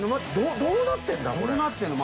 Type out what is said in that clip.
どうなってるの？